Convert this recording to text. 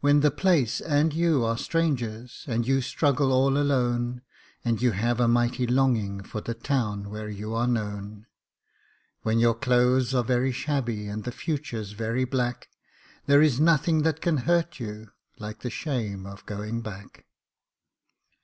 When the place and you are strangers and you struggle all alone, And you have a mighty longing for the town where you are known; When your clothes are very shabby and the future's very black, There is nothing that can hurt you like the shame of going back.